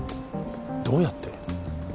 どうやって？